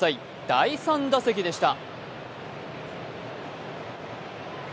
第３打席でした。